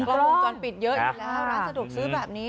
ก็วงจรปิดเยอะอยู่แล้วร้านสะดวกซื้อแบบนี้